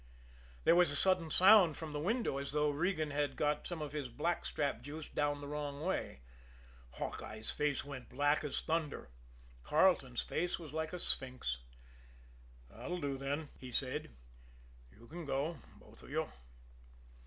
There was a sudden sound from the window, as though Regan had got some of his blackstrap juice down the wrong way. Hawkeye's face went black as thunder. Carleton's face was like a sphinx. "That'll do, then," he said. "You can go, both of you."